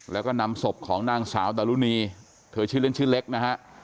แล้วก็นำศพของนางสาวดารุณีเธอชื่อเล่นชื่อเล็กนะฮะ